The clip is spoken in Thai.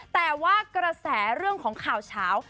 แต่ว่ากระแสเรื่องของข่าวเช้า